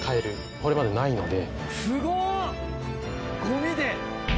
これまでないので。